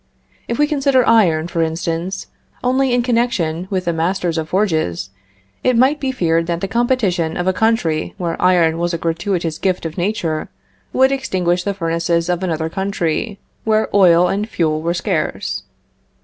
If we consider iron, for instance, only in connection with the masters of forges, it might be feared that the competition of a country where iron was a gratuitous gift of nature, would extinguish the furnaces of another country, where ore and fuel were scarce.